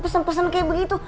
pesen pesen kayak begitu